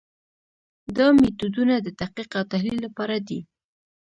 دا میتودونه د تحقیق او تحلیل لپاره دي.